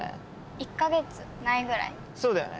１カ月ないぐらいそうだよね